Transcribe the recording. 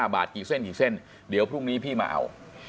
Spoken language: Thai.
บาทกี่เส้นกี่เส้นเดี๋ยวพรุ่งนี้พี่มาเอา